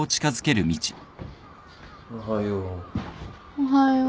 おはよう。